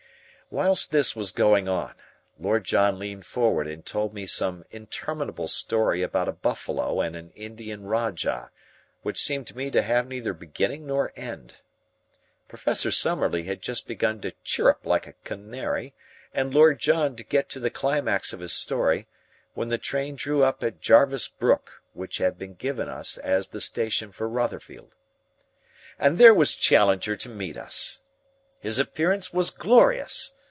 Whilst this was going on, Lord John leaned forward and told me some interminable story about a buffalo and an Indian rajah which seemed to me to have neither beginning nor end. Professor Summerlee had just begun to chirrup like a canary, and Lord John to get to the climax of his story, when the train drew up at Jarvis Brook, which had been given us as the station for Rotherfield. And there was Challenger to meet us. His appearance was glorious.